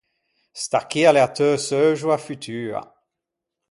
Sta chì a l’é a teu seuxoa futua.